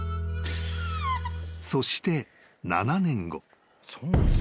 ［そして７年後］